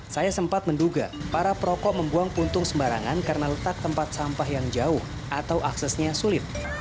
saya sempat menduga para perokok membuang puntung sembarangan karena letak tempat sampah yang jauh atau aksesnya sulit